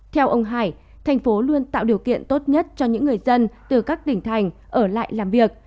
theo ông hải thành phố luôn tạo điều kiện tốt nhất cho những người dân từ các tỉnh thành ở lại làm việc